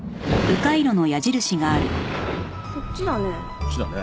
こっちだね。